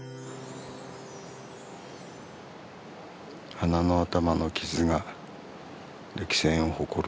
鼻の頭の傷が歴戦を誇る。